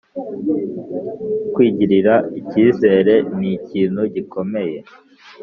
kwigirira ikizere ni ikintu gikomeye